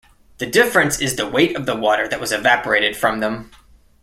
The difference is the weight of the water that was evaporated from them.